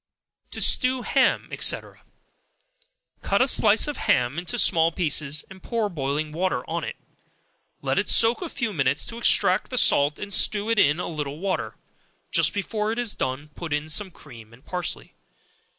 To Stew Ham, &c. Cut a slice of ham into small pieces, and pour boiling water on it; let it soak a few minutes to extract the salt, and stew it in a little water; just before it is done, put in some cream and parsley.